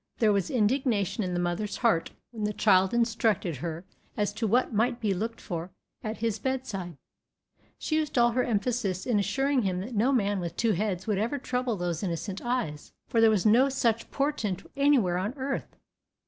There was indignation in the mother's heart when the child instructed her as to what might be looked for at his bedside; she used all her emphasis in assuring him that no man with two heads would ever trouble those innocent eyes, for there was no such portent anywhere on earth.